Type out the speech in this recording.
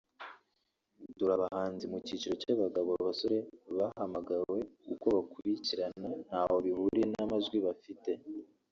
Dore abahanzi mu cyiciro cy’abagabo/abasore bahamagawe (uko bakurikirana ntaho bihuriye n’amajwi bafite)